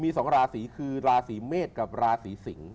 มีสองราศีคือราศีเมษกับราศีสิง